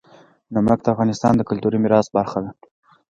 نمک د افغانستان د کلتوري میراث برخه ده.